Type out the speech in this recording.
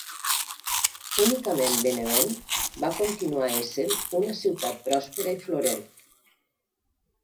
Únicament Benevent va continuar essent una ciutat pròspera i florent.